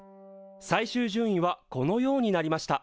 最終順位はこのようになりました。